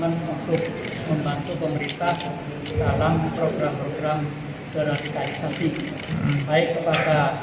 terunggah berkomitmen untuk membantu pemerintah dalam program program gerak kreasi baik kepada